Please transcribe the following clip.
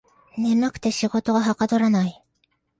眠くて仕事がはかどらない